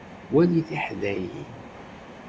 Wali tiḥdayin.